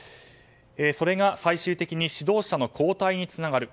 それが最終的に指導者の交代につながる。